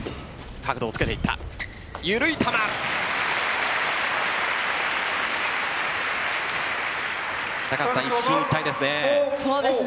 緩い球。一進一退ですね。